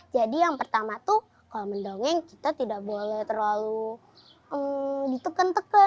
jadi yang pertama tuh kalau mendongeng kita tidak boleh terlalu diteken teken